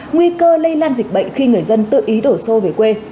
nguy cơ lây lan dịch bệnh khi người dân tự ý đổ xô về quê